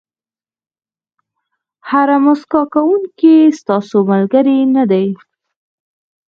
هر موسکا کوونکی ستاسو ملګری نه دی.